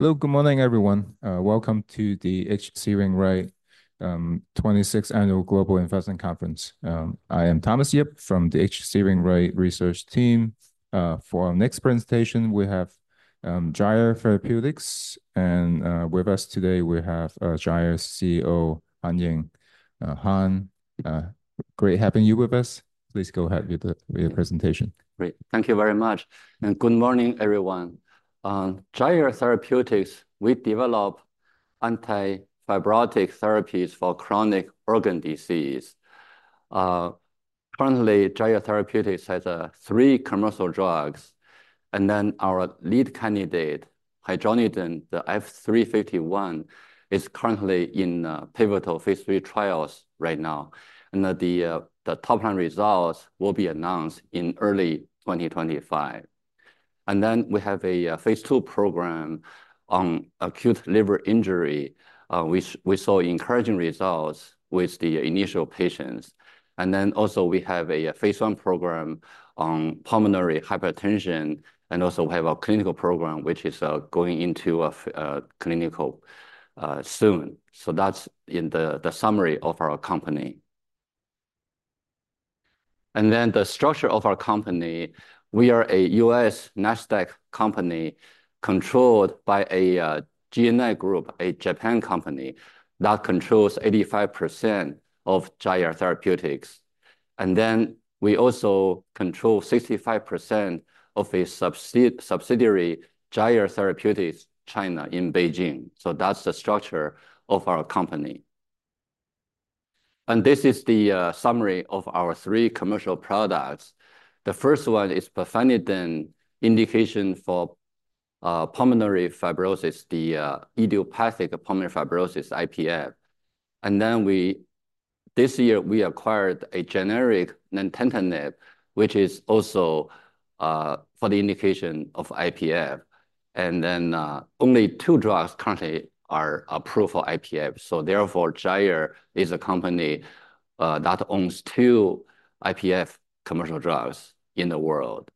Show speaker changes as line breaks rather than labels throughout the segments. Hello, good morning, everyone. Welcome to the H.C. Wainwright twenty-sixth Annual Global Investment Conference. I am Yip from the H.C. Wainwright research team. For our next presentation, we have Gyre Therapeutics, and with us today, we have Gyre's CEO, Han Ying. Han, great having you with us. Please go ahead with your presentation.
Great. Thank you very much, and good morning, everyone. Gyre Therapeutics, we develop anti-fibrotic therapies for chronic organ disease. Currently, Gyre Therapeutics has three commercial drugs, and then our lead candidate, hydronidone, the F351, is currently in pivotal phase III trials right now. The top-line results will be announced in early 2025. We have a phase II program on acute liver injury, which we saw encouraging results with the initial patients. We also have a phase I program on pulmonary hypertension, and also we have a clinical program, which is going into a clinical soon. That's the summary of our company. The structure of our company. We are a U.S. NASDAQ company controlled by a GNI Group, a Japan company, that controls 85% of Gyre Therapeutics. We also control 65% of a subsidiary, Gyre Therapeutics China, in Beijing. That's the structure of our company. This is the summary of our three commercial products. The first one is pirfenidone, indication for pulmonary fibrosis, the idiopathic pulmonary fibrosis, IPF. This year, we acquired a generic nintedanib, which is also for the indication of IPF. Only two drugs currently are approved for IPF, so therefore, Gyre is a company that owns two IPF commercial drugs in the world.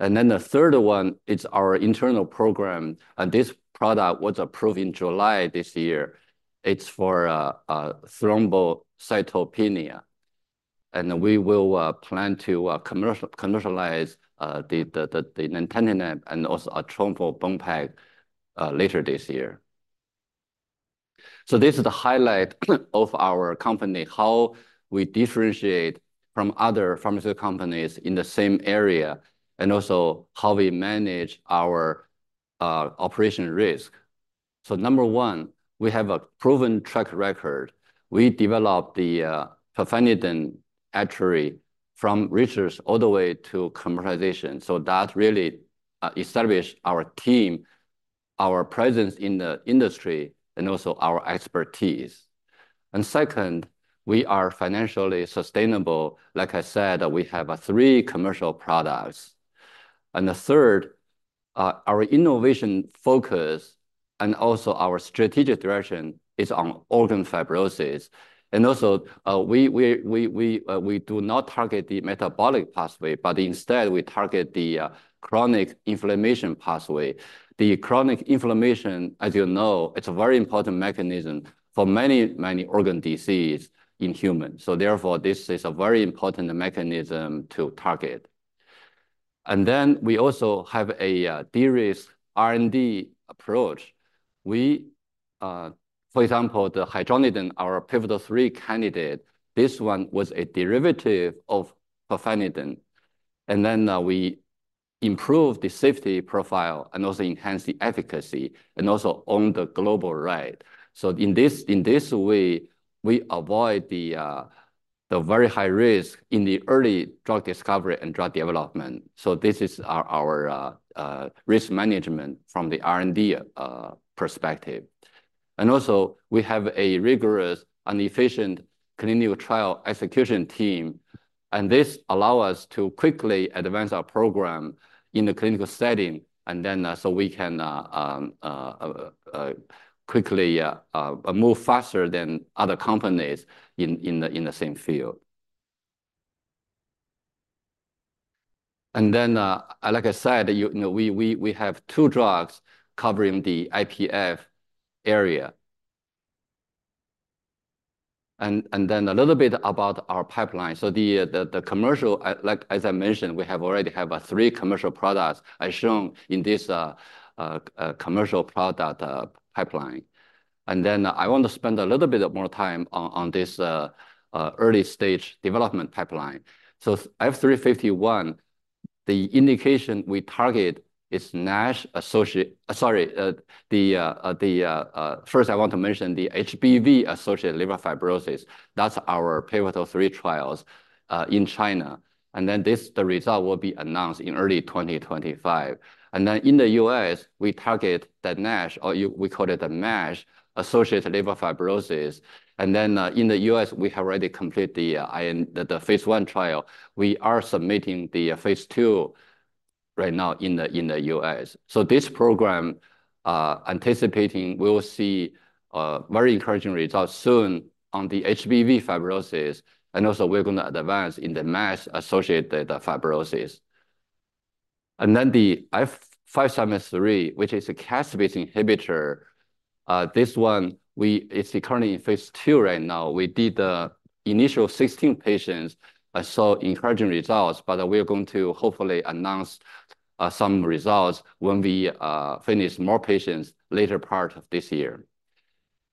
The third one, it's our internal program, and this product was approved in July this year. It's for thrombocytopenia, and we will plan to commercialize the nintedanib and also avatrombopag later this year. So this is the highlight of our company, how we differentiate from other pharmaceutical companies in the same area, and also how we manage our operation risk. So number one, we have a proven track record. We developed the pirfenidone actually from research all the way to commercialization, so that really established our team, our presence in the industry, and also our expertise. And second, we are financially sustainable. Like I said, we have three commercial products. And the third, our innovation focus and also our strategic direction is on organ fibrosis. And also, we do not target the metabolic pathway, but instead, we target the chronic inflammation pathway. The chronic inflammation, as you know, it's a very important mechanism for many, many organ disease in humans, so therefore, this is a very important mechanism to target. And then we also have a de-risk R&D approach. We, for example, the Hydronidone, our Pivotal 3 candidate, this one was a derivative of Pirfenidone, and then, we improved the safety profile and also enhanced the efficacy, and also owned the global right. So in this, in this way, we avoid the the very high risk in the early drug discovery and drug development. So this is our, our risk management from the R&D, perspective. And also, we have a rigorous and efficient clinical trial execution team, and this allow us to quickly advance our program in the clinical setting, and then, so we can quickly move faster than other companies in the same field. And then, like I said, you know, we have two drugs covering the IPF area. And then a little bit about our pipeline. So the commercial, like, as I mentioned, we have already have three commercial products as shown in this commercial product pipeline. And then I want to spend a little bit of more time on this early-stage development pipeline. So F-351, the indication we target is NASH-associated... Sorry, the first, I want to mention the HBV-associated liver fibrosis. That's our pivotal three trials in China. And then the result will be announced in early 2025. And then in the U.S., we target the NASH, or we call it the MASH, associated liver fibrosis. And then in the U.S., we have already completed the IND, the phase I trial. We are submitting the phase II right now in the U.S. So this program, anticipating we will see very encouraging results soon on the HBV fibrosis, and also we're going to advance in the MASH-associated fibrosis. And then the F573, which is a caspase inhibitor, this one, it's currently in phase II right now. We did the initial 16 patients and saw encouraging results, but we are going to hopefully announce some results when we finish more patients later part of this year.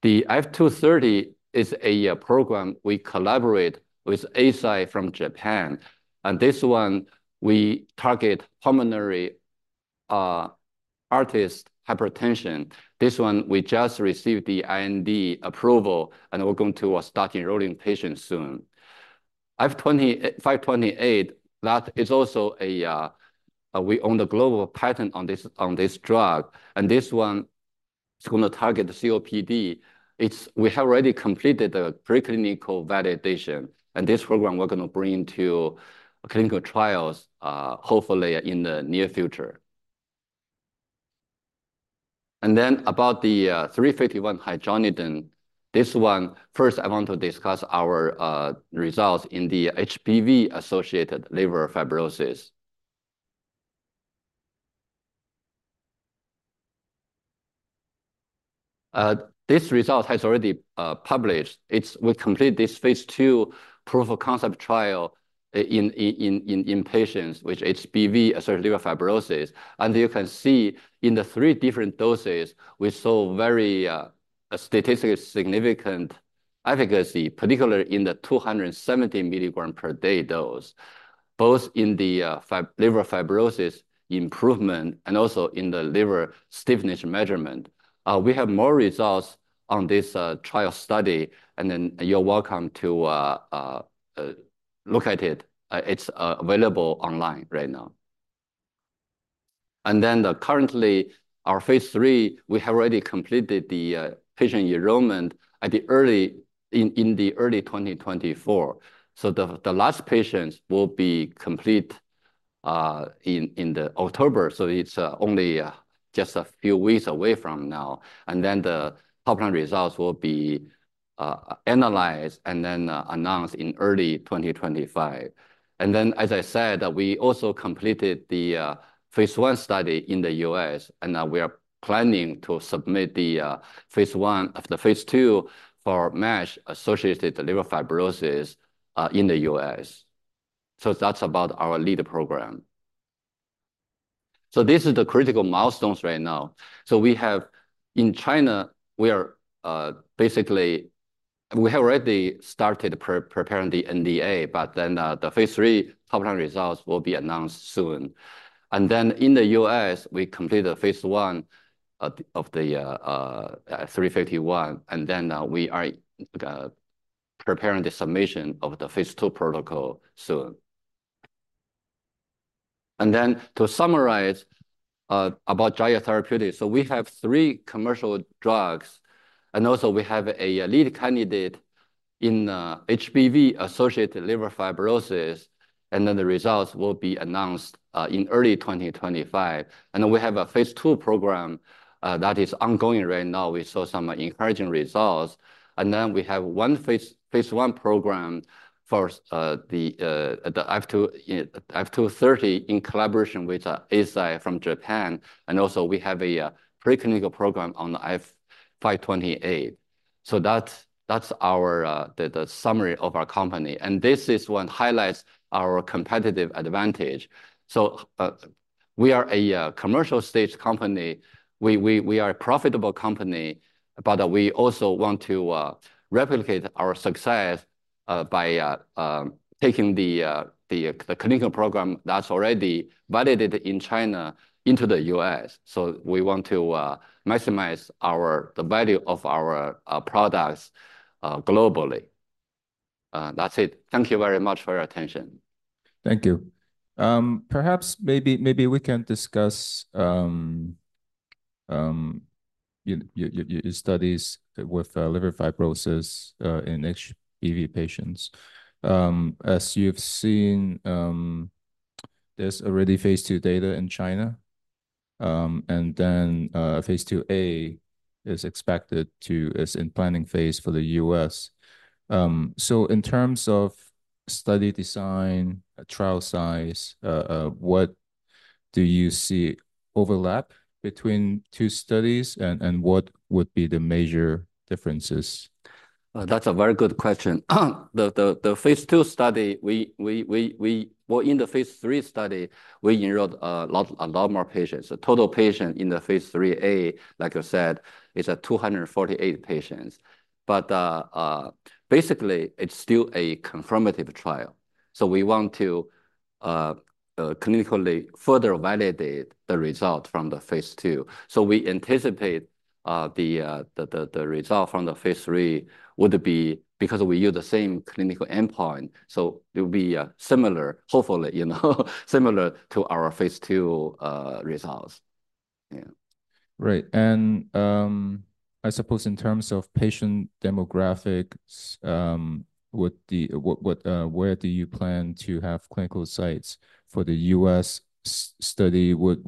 The F-230 is a program we collaborate with Eisai from Japan, and this one we target pulmonary arterial hypertension. This one, we just received the IND approval, and we're going to start enrolling patients soon. F-20, F-528, that is also a we own the global patent on this, on this drug, and this one is gonna target the COPD. It's we have already completed the preclinical validation, and this program we're gonna bring to clinical trials hopefully in the near future. And then about the 351 Hydronidone, this one, first I want to discuss our results in the HBV-associated liver fibrosis. This result has already published. We completed this phase II proof-of-concept trial in patients with HBV-associated liver fibrosis. You can see in the three different doses, we saw very statistically significant efficacy, particularly in the 270 milligram per day dose, both in the liver fibrosis improvement and also in the liver stiffness measurement. We have more results on this trial study, and then you're welcome to look at it. It's available online right now. Currently, our phase III, we have already completed the patient enrollment in the early 2024. So the last patients will be complete in October, so it's only just a few weeks away from now. And then the top-line results will be analyzed and then announced in early twenty twenty-five. And then, as I said, we also completed the phase I study in the U.S., and now we are planning to submit the phase I of the phase II for MASH-associated liver fibrosis in the U.S. So that's about our lead program. So this is the critical milestones right now. So we have in China we are basically we have already started preparing the NDA, but then the phase III top-line results will be announced soon. And then in the U.S., we completed phase I of the F351, and then we are preparing the submission of the phase II protocol soon. To summarize about Gyre Therapeutics, we have three commercial drugs, and also we have a lead candidate in HBV-associated liver fibrosis, and then the results will be announced in early 2025. We have a phase II program that is ongoing right now. We saw some encouraging results. We have one phase I program for the F230, in collaboration with Eisai from Japan. Also, we have a preclinical program on the F528. That's our summary of our company, and this is what highlights our competitive advantage. We are a commercial stage company. We are a profitable company, but we also want to replicate our success by taking the clinical program that's already validated in China into the US. So we want to maximize the value of our products globally. That's it. Thank you very much for your attention. Thank you. Perhaps maybe we can discuss your studies with liver fibrosis in HBV patients. As you've seen, there's already phase II data in China, and then phase II-A is expected to... is in planning phase for the US. So in terms of study design, trial size, what do you see overlap between two studies, and what would be the major differences? That's a very good question. The phase II study, well, in the phase III study, we enrolled a lot more patients. The total patient in the phase III-A, like I said, is 248 patients. But basically, it's still a confirmative trial, so we want to clinically further validate the result from the phase II. So we anticipate the result from the phase III would be, because we use the same clinical endpoint, so it will be similar, hopefully, you know, similar to our phase II results. Yeah. Right, and I suppose in terms of patient demographics, where do you plan to have clinical sites for the US study? Would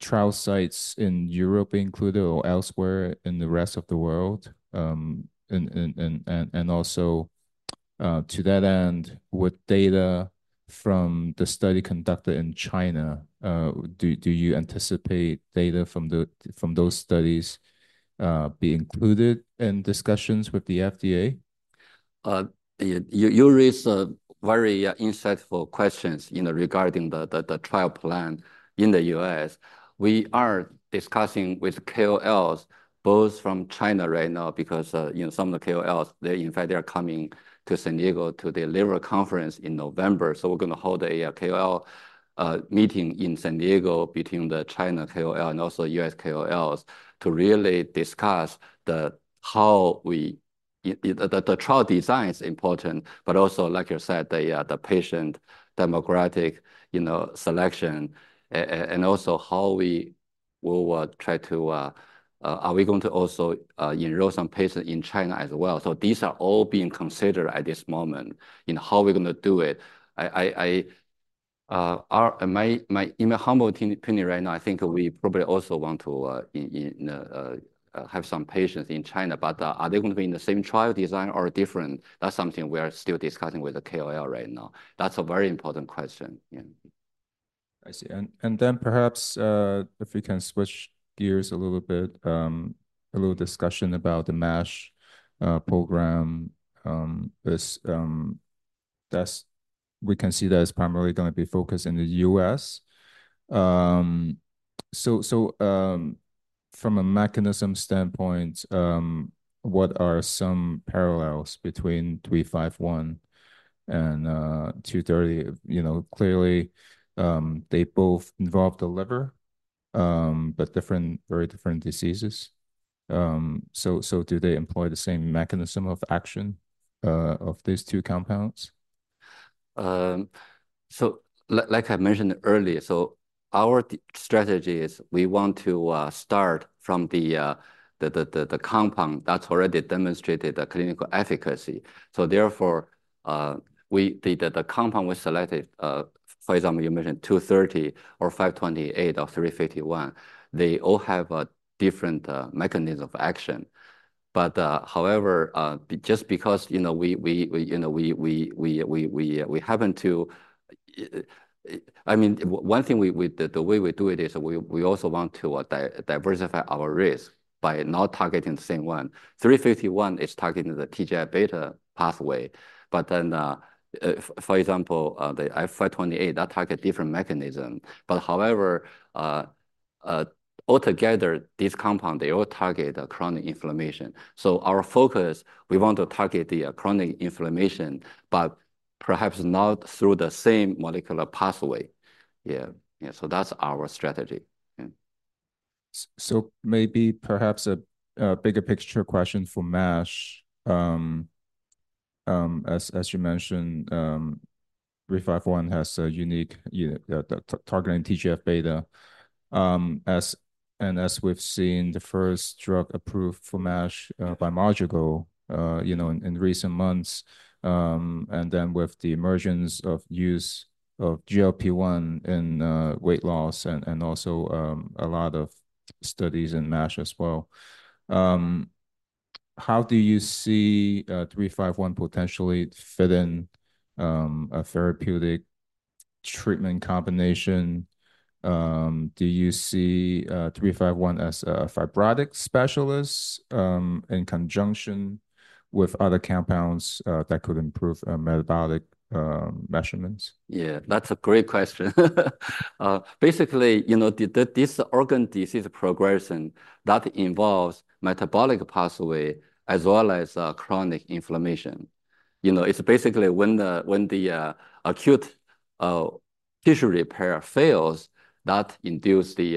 trial sites in Europe be included or elsewhere in the rest of the world? And also, to that end, would data from the study conducted in China do you anticipate data from those studies be included in discussions with the FDA? You raise a very insightful questions, you know, regarding the trial plan in the U.S. We are discussing with KOLs, both from China right now, because, you know, some of the KOLs, in fact, they are coming to San Diego to deliver a conference in November. So we're gonna hold a KOL meeting in San Diego between the China KOL and also US KOLs to really discuss the trial design is important, but also, like you said, the patient demographic, you know, selection and also how we will try to. Are we going to also enroll some patients in China as well? So these are all being considered at this moment in how we're gonna do it. In my humble opinion right now, I think we probably also want to, you know, have some patients in China, but are they going to be in the same trial design or different? That's something we are still discussing with the KOL right now. That's a very important question, yeah. I see. And then perhaps, if we can switch gears a little bit, a little discussion about the MASH program. This, that's- we can see that it's primarily gonna be focused in the US. So, from a mechanism standpoint, what are some parallels between 351 and 230? You know, clearly, they both involve the liver, but different, very different diseases. So, do they employ the same mechanism of action of these two compounds? Like I mentioned earlier, so our strategy is we want to start from the compound that's already demonstrated a clinical efficacy. So therefore, the compound we selected, for example, you mentioned F230 or F528 or F351, they all have a different mechanism of action. But, however, just because, you know, we happen to... I mean, one thing, the way we do it is we also want to diversify our risk by not targeting the same one. F351 is targeting the TGF-beta pathway, but then, for example, the F528, that target different mechanism. But however, altogether, this compound, they all target chronic inflammation. Our focus, we want to target the chronic inflammation, but perhaps not through the same molecular pathway. Yeah. Yeah, so that's our strategy. Yeah. Maybe perhaps a bigger picture question for MASH. As you mentioned, 351 has a unique targeting TGF-beta, and as we've seen, the first drug approved for MASH by Madrigal, you know, in recent months, and then with the emergence of use of GLP-1 and weight loss and also a lot of studies in MASH as well. How do you see 351 potentially fit in a therapeutic treatment combination? Do you see 351 as a fibrotic specialist in conjunction with other compounds that could improve metabolic measurements? Yeah, that's a great question. Basically, you know, the this organ disease progression, that involves metabolic pathway, as well as chronic inflammation. You know, it's basically when the acute tissue repair fails, that induce the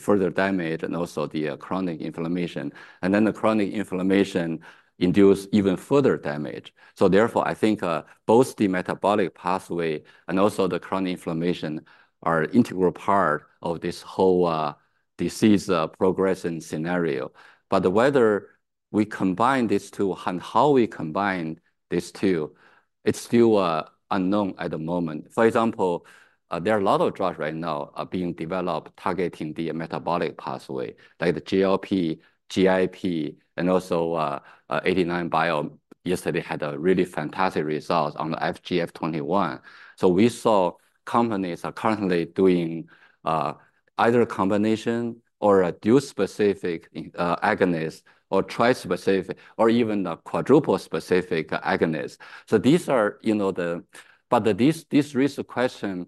further damage and also the chronic inflammation. And then the chronic inflammation induce even further damage. So therefore, I think both the metabolic pathway and also the chronic inflammation are integral part of this whole disease progression scenario. But whether we combine these two and how we combine these two, it's still unknown at the moment. For example, there are a lot of drugs right now are being developed targeting the metabolic pathway, like the GLP, GIP, and also 89bio yesterday had a really fantastic result on the FGF21. So we saw companies are currently doing either a combination or a dual-specific agonist, or tri-specific, or even a quadruple-specific agonist. So these are, you know, but this raise a question,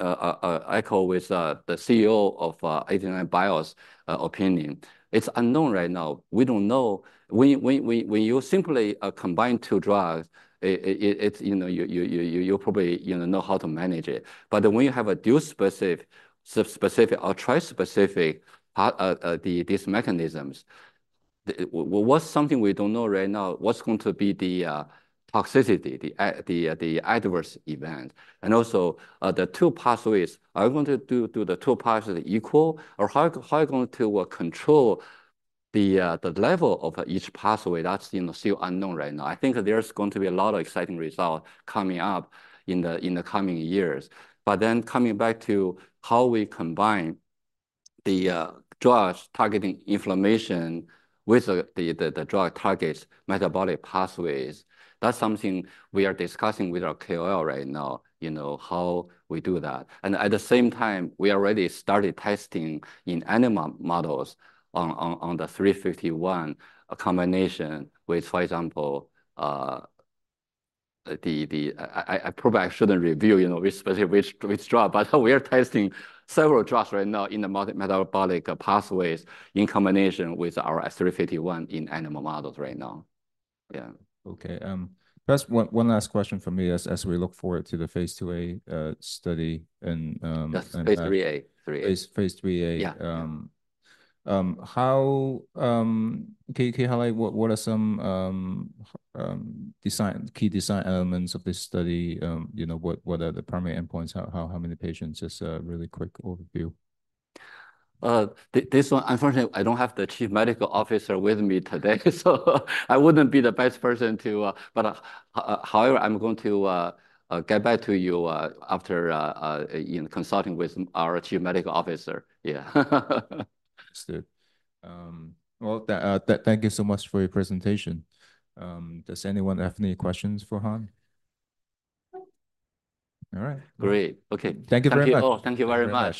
I echo with the CEO of 89bio's opinion. It's unknown right now. We don't know. We use simply combine two drugs. It you know you probably you know know how to manage it. But when you have a dual-specific or tri-specific these mechanisms, what's something we don't know right now, what's going to be the toxicity, the adverse event? And also, the two pathways, are we going to do the two pathways equal, or how are you going to control the level of each pathway? That's, you know, still unknown right now. I think there's going to be a lot of exciting results coming up in the coming years. But then coming back to how we combine the drugs targeting inflammation with the drug targets, metabolic pathways, that's something we are discussing with our KOL right now, you know, how we do that. At the same time, we already started testing in animal models on the 351, a combination with, for example, I probably shouldn't reveal, you know, which specific drug, but we are testing several drugs right now in the metabolic pathways in combination with our 351 in animal models right now. Okay, just one last question from me as we look forward to the phase II-A study, and- That's phase III-A. phase, phase III-A. Yeah. How can you highlight what are some key design elements of this study? You know, what are the primary endpoints? How many patients? Just a really quick overview. This one, unfortunately, I don't have the Chief Medical Officer with me today, so I wouldn't be the best person to. But, however, I'm going to get back to you after, you know, consulting with our Chief Medical Officer. Yeah. Understood. Well, thank you so much for your presentation. Does anyone have any questions for Han? All right. Great. Okay. Thank you very much. Thank you all. Thank you very much.